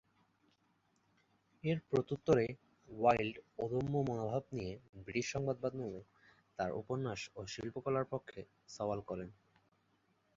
এর প্রত্যুত্তরে ওয়াইল্ড অদম্য মনোভাব নিয়ে ব্রিটিশ সংবাদমাধ্যমে তাঁর উপন্যাস ও শিল্পকলার পক্ষে সওয়াল করেন।